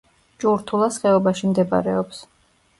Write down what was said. ჭურთულას ხეობაში მდებარეობს.